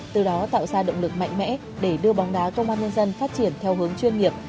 từ đó tạo ra động lực mạnh mẽ để đưa bóng đá công an nhân dân phát triển theo hướng chuyên nghiệp